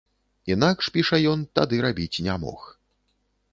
Інакш, піша ён, тады рабіць не мог.